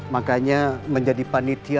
makanya menjadi panitia